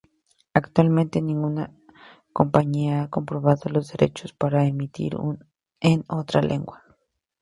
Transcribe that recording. Actualmente, ninguna compañía ha comprado los derechos para emitir en otra lengua.